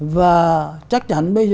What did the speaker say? và chắc chắn bây giờ